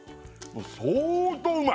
相当うまい！